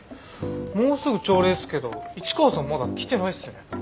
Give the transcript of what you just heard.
もうすぐ朝礼っすけど市川さんまだ来てないっすね。